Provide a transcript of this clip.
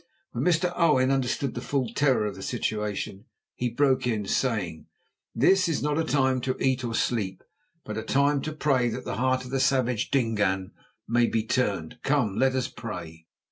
When Mr. Owen understood the full terror of the situation, he broke in saying: "This is not a time to eat or to sleep, but a time to pray that the heart of the savage Dingaan may be turned. Come, let us pray!"